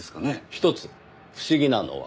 ひとつ不思議なのは。